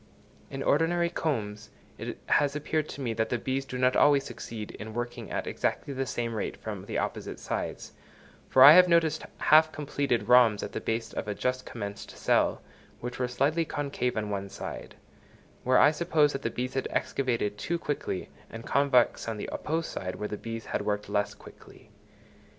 In ordinary combs it has appeared to me that the bees do not always succeed in working at exactly the same rate from the opposite sides; for I have noticed half completed rhombs at the base of a just commenced cell, which were slightly concave on one side, where I suppose that the bees had excavated too quickly, and convex on the opposed side where the bees had worked less quickly.